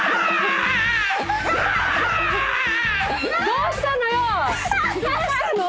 どうしたの⁉